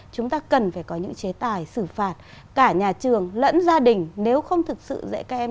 chúng ta cần phải có những chế tài xử phạt cả nhà trường lẫn gia đình nếu không thực sự dạy các em